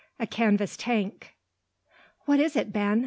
A CANVAS TANK. "What is it, Ben?"